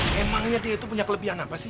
memangnya dia itu punya kelebihan apa sih